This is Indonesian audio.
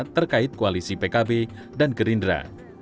terkait koalisi pkb dan gerindra